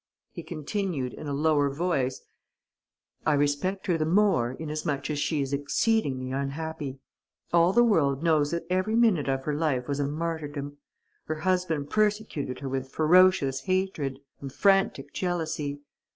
He continued, in a lower voice: "I respect her the more inasmuch as she is exceedingly unhappy. All the world knows that every minute of her life was a martyrdom. Her husband persecuted her with ferocious hatred and frantic jealousy.